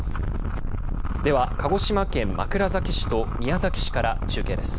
では鹿児島県枕崎市と宮崎市から中継です。